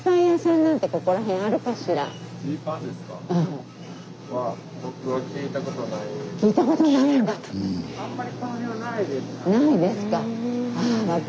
ないですか。